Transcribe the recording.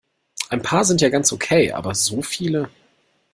Ein paar sind ja ganz okay, aber so viele?